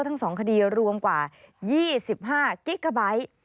ทั้ง๒คดีรวมกว่า๒๕กิกาไบท์